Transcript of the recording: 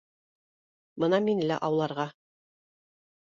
Бына мине лә ауларға